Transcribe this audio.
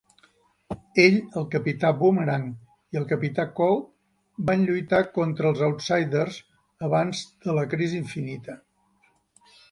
Ell, el capità Boomerang i el capità Cold van lluitar contra els Outsiders abans de la "crisi infinita".